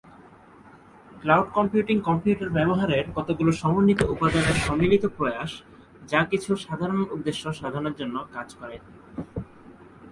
Cloud computing computer ব্যবহারের কতগুলো সমন্বিত উপাদানের সম্মিলিত প্রয়াস যা কিছু সাধারণ উদ্দেশ্য সাধনের জন্য কাজ করে।